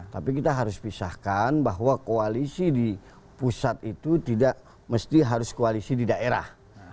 tapi kita harus pisahkan bahwa koalisi di pusat itu tidak mesti harus koalisi di daerah